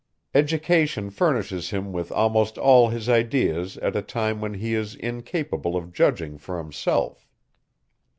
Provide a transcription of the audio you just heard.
Education furnishes him with almost all his ideas at a time, when he is incapable of judging for himself.